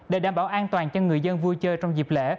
để đảm bảo an toàn cho người dân vui chơi trong dịp lễ